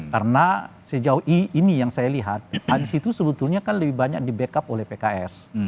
karena sejauh ini yang saya lihat anies itu sebetulnya kan lebih banyak di backup oleh pks